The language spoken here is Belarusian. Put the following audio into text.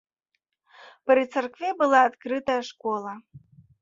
Пры царкве была адкрытая школа.